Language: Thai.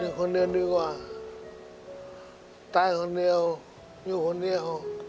คนเดียวดีกว่าตายคนเดียวอยู่คนเดียว